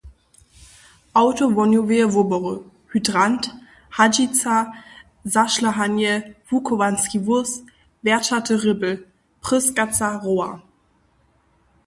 awto wohnjoweje wobory, hydrant, hadźica, zašlahanje, wuchowanski wóz, wjerćaty rěbl, pryskaca roła